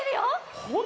ほんとだ！